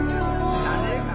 知らねえよ。